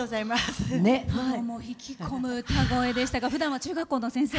引き込む歌声でしたがふだんは中学校の先生。